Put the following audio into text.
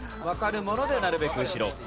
わかるものでなるべく後ろ。